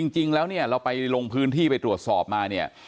จริงแล้วเนี่ยเราไปลงพื้นที่ไปตรวจสอบมาเนี่ย